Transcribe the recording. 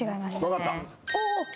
分かった。